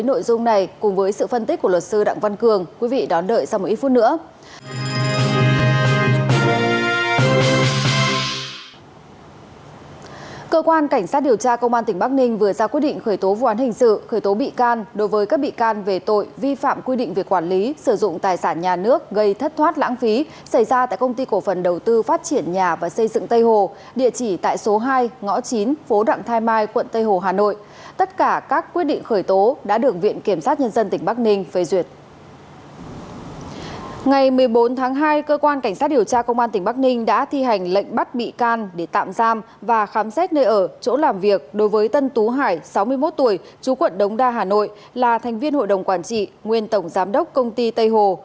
ngày một mươi bốn tháng hai cơ quan cảnh sát điều tra công an tỉnh bắc ninh đã thi hành lệnh bắt bị can để tạm giam và khám xét nơi ở chỗ làm việc đối với tân tú hải sáu mươi một tuổi chú quận đống đa hà nội là thành viên hội đồng quản trị nguyên tổng giám đốc công ty tây hồ